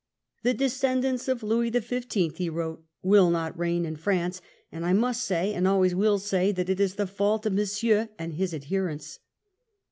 "The descendants of Louis the Fifteenth," he wrote, "will not reign in France ; and I must say, and always will say, that it is the fault of Monsieur and his adherents."